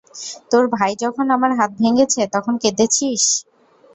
তোর ভাই যখন আমার হাত ভেঙ্গেছে তখন কেঁদেছিস?